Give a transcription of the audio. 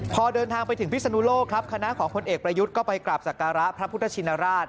พอเดินทางไปถึงพิศนุโลกครับคณะของพลเอกประยุทธ์ก็ไปกราบสักการะพระพุทธชินราช